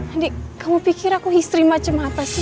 adik kamu pikir aku istri macam apa sih